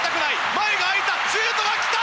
前が空いた。